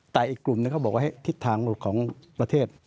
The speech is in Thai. แต่อีกกลุ่มนึงเขาบอกว่าให้ทิศทางของประเทศ